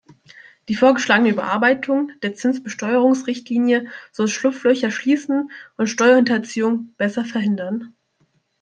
Die vorgeschlagene Überarbeitung der Zinsbesteuerungsrichtlinie soll Schlupflöcher schließen und Steuerhinterziehung besser verhindern.